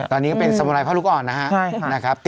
ตอนนี้ก็เป็นสมุไรพ่อลูกอ่อนนะครับ